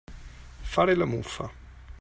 Fare la muffa.